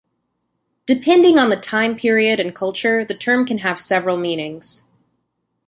Depending on the time period and culture, the term can have several meanings.